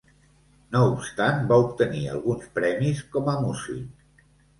No obstant va obtenir alguns premis com a músic.